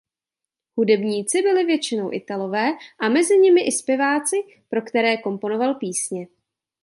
Hudebníci byli většinou italové a mezi nimi i zpěváci pro které komponoval písně.